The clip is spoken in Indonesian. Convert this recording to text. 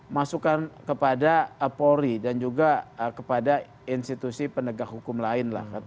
masukan kepada polri dan juga kepada institusi penegak hukum lain lah